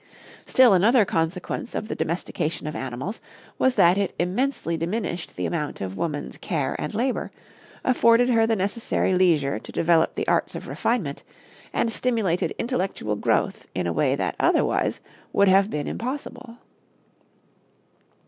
Still another consequence of the domestication of animals was that it immensely diminished the amount of woman's care and labor, afforded her the necessary leisure to develop the arts of refinement, and stimulated intellectual growth in a way that otherwise would have been impossible.